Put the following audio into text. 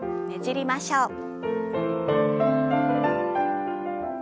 ねじりましょう。